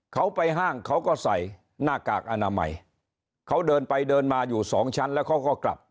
เขาไปห้างเขาก็ใส่หน้ากากอนามัยเขาเดินไปเดินมาอยู่สองชั้นแล้วเขาก็กลับ